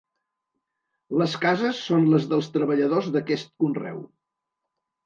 Les cases són les dels treballadors d'aquest conreu.